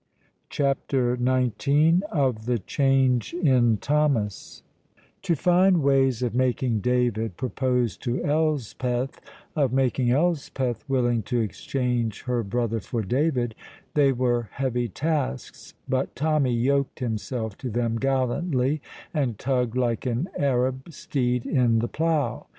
CHAPTER XIX OF THE CHANGE IN THOMAS To find ways of making David propose to Elspeth, of making Elspeth willing to exchange her brother for David they were heavy tasks, but Tommy yoked himself to them gallantly and tugged like an Arab steed in the plough.